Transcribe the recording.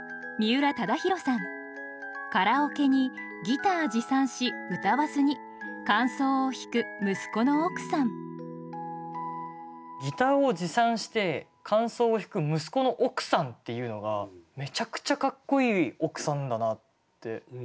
ギターを持参して間奏を弾く息子の奥さんっていうのがめちゃくちゃかっこいい奥さんだなって。